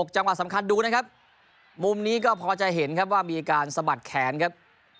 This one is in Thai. จังหวะสำคัญดูนะครับมุมนี้ก็พอจะเห็นครับว่ามีการสะบัดแขนครับ